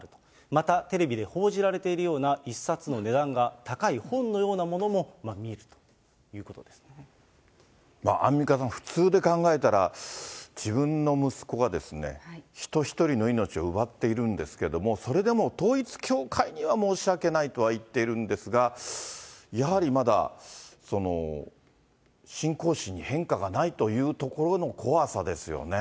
また、テレビで報じられているような一冊の値段が高い本のようなものもアンミカさん、普通で考えたら、自分の息子がですね、人１人の命を奪っているんですけども、それでも統一教会には申し訳ないとは言っているんですが、やはりまだ信仰心に変化がないというところの怖さですよね。